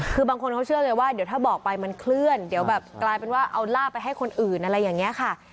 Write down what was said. คือบางคนเขาเชื่อไงว่าเดี๋ยวถ้าบอกไปมันเคลื่อนเดี๋ยวแบบกลายเป็นว่าเอาล่าไปให้คนอื่นอะไรอย่างนี้ค่ะ